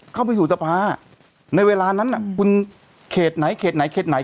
เข้าไปสู่สภาในเวลานั้นคุณเขตไหนเขตไหนเขตไหน